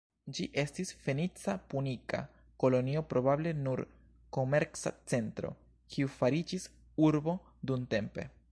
Ĝi estis fenica-punika kolonio, probable nur komerca centro, kiu fariĝis urbo dumtempe.